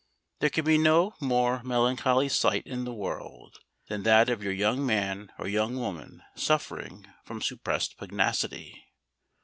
There can be no more melancholy sight in the world than that of your young man or young woman suffering from suppressed pugnacity.